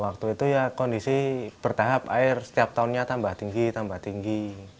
waktu itu ya kondisi bertahap air setiap tahunnya tambah tinggi tambah tinggi